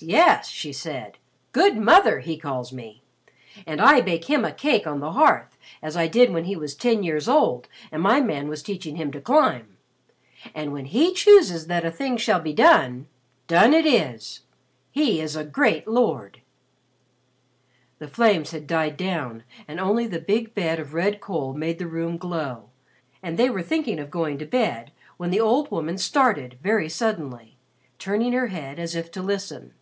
Yes!" she said. "'Good Mother,' he calls me. And I bake him a cake on the hearth, as I did when he was ten years old and my man was teaching him to climb. And when he chooses that a thing shall be done done it is! He is a great lord." The flames had died down and only the big bed of red coal made the room glow, and they were thinking of going to bed when the old woman started very suddenly, turning her head as if to listen.